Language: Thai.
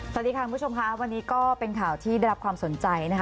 สวัสดีค่ะคุณผู้ชมค่ะวันนี้ก็เป็นข่าวที่ได้รับความสนใจนะคะ